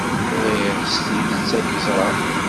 Bɣiɣ s tidet ad k-ẓreɣ.